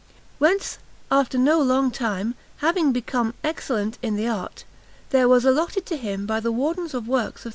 Whence, after no long time, having become excellent in the art, there was allotted to him by the Wardens of Works of S.